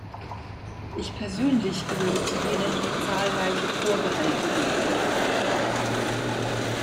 Ich persönlich gehöre zu jenen, die zahlreiche Vorbehalte gegen Eurodac haben.